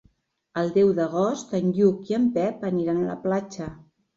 El deu d'agost en Lluc i en Pep aniran a la platja.